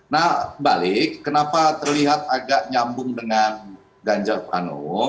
nah balik kenapa terlihat agak nyambung dengan ganjar pranowo